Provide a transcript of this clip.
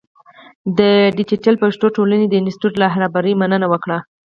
د دیجیټل پښتو ټولنې د انسټیټوت له رهبرۍ مننه وکړه.